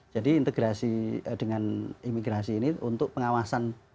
integrasi dengan imigrasi ini untuk pengawasan